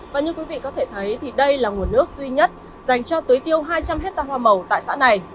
và như quý vị có thể thấy thì đây là nguồn nước duy nhất dành cho tưới tiêu hai trăm linh hectare hoa màu tại xã này